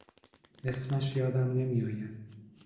اسمش یادم نمی آید.